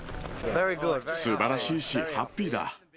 すばらしいし、ハッピーだ。